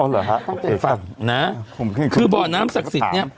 เหรอฮะเข้าใจฝั่งนะคือบ่อน้ำศักดิ์สิทธิ์เนี้ย